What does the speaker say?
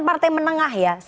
saya mau ke indonesia brothers